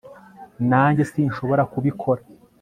nanjye sinshobora kubikora